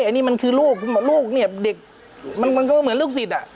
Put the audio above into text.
อันนี้มันคือลูกลูกเนี่ยเด็กมันก็เหมือนลูกศิษย์อ่ะ